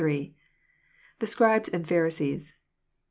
— [The Scribes and Pharisees.